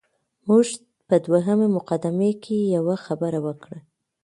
موږ په دویمه مقدمه کې یوه خبره وکړه.